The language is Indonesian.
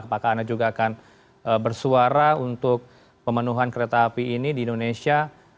apakah anda juga akan bersuara untuk pemenuhan kereta api ini di indonesia